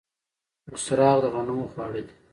بوسراغ د غنمو خواړه دي.